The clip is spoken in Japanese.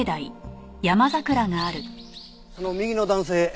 その右の男性